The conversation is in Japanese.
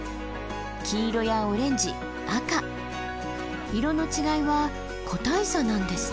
黄色やオレンジ赤色の違いは個体差なんですって。